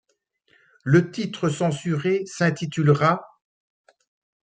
Le titre censuré s'intitulera '.